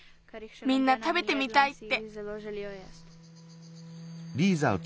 みんなたべてみたいって。